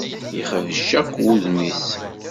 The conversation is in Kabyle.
Yexbec akk udem-is.